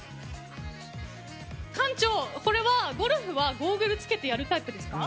館長ゴルフはゴーグルをつけてやるタイプですか？